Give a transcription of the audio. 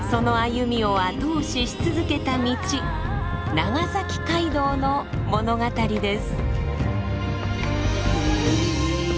長崎街道の物語です。